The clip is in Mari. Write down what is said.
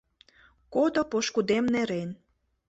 Кодо пошкудем нерен.